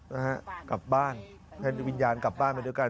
นะฮะกลับบ้านให้วิญญาณกลับบ้านไปด้วยกัน